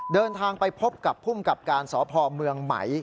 เดินทางไปพบกับภูมิกับการสพเมืองไหม